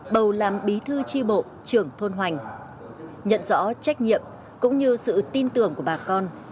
bầu làm bí thư tri bộ trưởng thôn hoành nhận rõ trách nhiệm cũng như sự tin tưởng của bà con